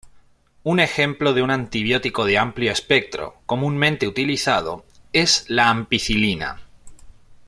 Un ejemplo de un antibiótico de amplio espectro, comúnmente utilizado, es la ampicilina.